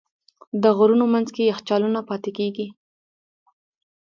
د غرونو منځ کې یخچالونه پاتې کېږي.